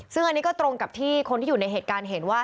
ซึ่งอันนี้ก็ตรงกับที่คนที่อยู่ในเหตุการณ์เห็นว่า